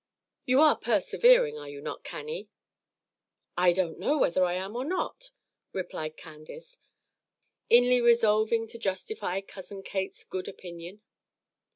You are persevering, are you not, Cannie?" "I don't know whether I am or not," replied Candace, inly resolving to justify Cousin Kate's good opinion.